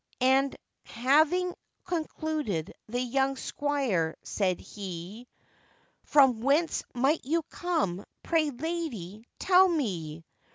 And having concluded, the young squire said he, 'From whence might you come, pray, lady, tell me?